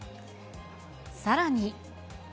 さらに。